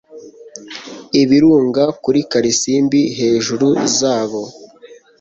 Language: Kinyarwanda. ibirunga kuri karisimbi hejuru zabo